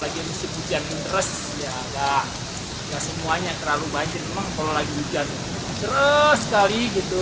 lagi lagi hujan mengeras ya ada semuanya terlalu banyak memang kalau lagi hujan terus sekali gitu